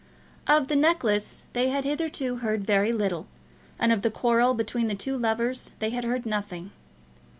Of the necklace they had hitherto heard very little, and of the quarrel between the two lovers they had heard nothing.